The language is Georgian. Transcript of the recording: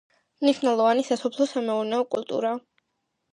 მნიშვნელოვანი სასოფლო-სამეურნეო კულტურაა.